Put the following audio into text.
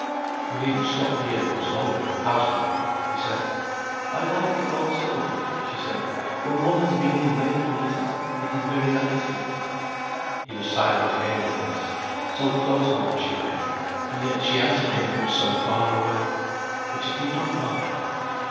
"You needn't stop here much longer, housekeeping," he said. "I like it also, here," she said. "When one has been in many places, it is very nice here." He was silent again at this. So close on him she lay, and yet she answered him from so far away. But he did not mind.